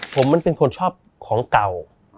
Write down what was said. ผมมันเป็นคนชอบของเก่า